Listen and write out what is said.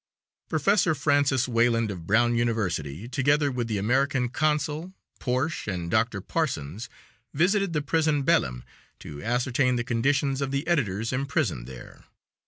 Professor Francis Wayland, of Brown University, together with the American Consul, Porch, and Dr. Parsons, visited the prison Belem to ascertain the conditions of the editors imprisoned there.